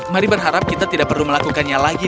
mari berharap kita tidak perlu melakukannya lagi